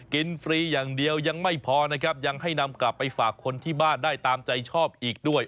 ฟรีอย่างเดียวยังไม่พอนะครับยังให้นำกลับไปฝากคนที่บ้านได้ตามใจชอบอีกด้วย